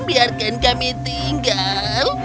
biarkan kami tinggal